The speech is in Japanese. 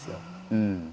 うん。